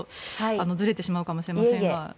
ずれてしまうかもしれませんが。